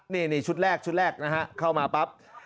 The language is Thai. นี่ชุดแรกชุดแรกนะฮะเข้ามาปั๊บ